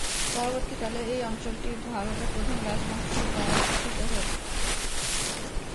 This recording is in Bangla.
পরবর্তীকালে, এই অঞ্চলটি ভারতের প্রধান রাজবংশ দ্বারা শাসিত হয়েছিল।